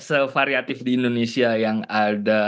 sevariatif di indonesia yang ada